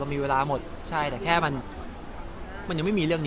เรามีเวลาแต่แค่มันมันยังไม่มีใครมานะ